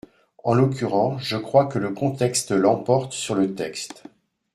En l’occurrence, je crois que le contexte l’emporte sur le texte.